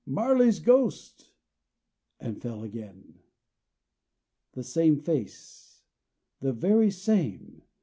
Marley's ghost!" and fell again. The same face: the very same.